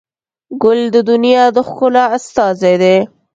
ګل د دنیا د ښکلا استازی دی.